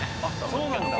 そうなんだ。